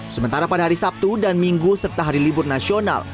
sementara pada hari sabtu dan minggu serta hari libur nasional